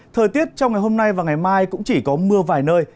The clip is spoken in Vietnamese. thời tiết trong ngày hôm nay và ngày mai cũng chỉ có mưa vài nơi